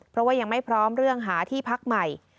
เพราะว่ายังไม่พร้อมเรื่องหาที่พักใหม่